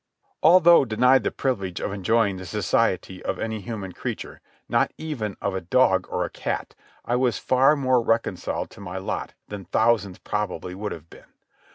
Although denied the privilege of enjoying the society of any human creature, not even of a dog or a cat, I was far more reconciled to my lot than thousands probably would have been.